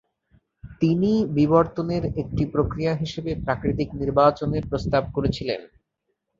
তিনি বিবর্তনের একটি প্রক্রিয়া হিসেবে প্রাকৃতিক নির্বাচনের প্রস্তাব করেছিলেন।